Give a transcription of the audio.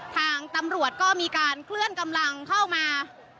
ทางตำรวจก็มีการเคลื่อนกำลังเข้ามา